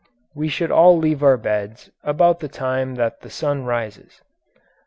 We should all leave our beds about the time that the sun rises.